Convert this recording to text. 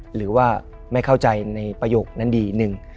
หรือว่าไม่เข้าใจในประโยคนั้นดีหนึ่ง